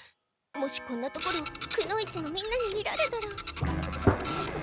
もしこんなところをくの一のみんなに見られたら。